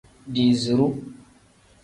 Diiziru.